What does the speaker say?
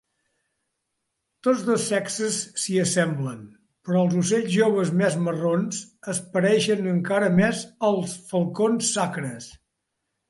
Tots dos sexes s'hi assemblen, però els ocells joves més marrons es pareixen encara més als falcons sacres.